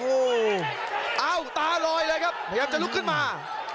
โอ้โหเอ้าตาลอยเลยครับพยายามจะลุกขึ้นมา